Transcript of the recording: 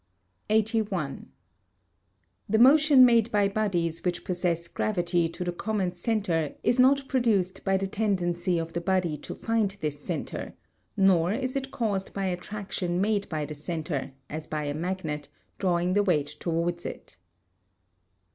81. The motion made by bodies which possess gravity to the common centre is not produced by the tendency of the body to find this centre, nor is it caused by attraction made by the centre, as by a magnet, drawing the weight towards it.